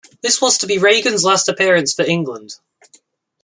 This was to be Regan's last appearance for England.